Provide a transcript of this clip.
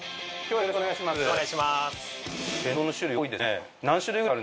よろしくお願いします。